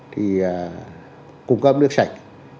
thì cung cấp nước sạch